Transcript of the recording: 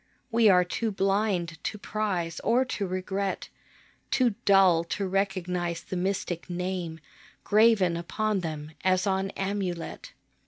We are too blind to prize or to regret, Too dull to recognize the mystic Name Graven upon them as on amulet.